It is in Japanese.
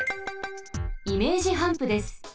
イメージハンプです。